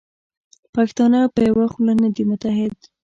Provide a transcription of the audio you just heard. پښتانه په یوه خوله نه دي متحد.